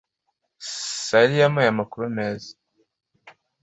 Sally yampaye amakuru meza.